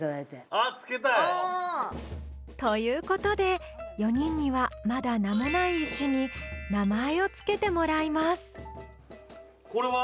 あぁ。ということで４人にはまだ名もない石に名前を付けてもらいますこれは？